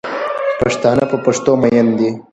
پښتانه په پښتو میین دی